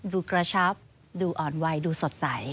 กระชับดูอ่อนไวดูสดใส